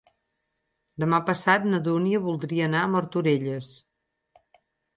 Demà passat na Dúnia voldria anar a Martorelles.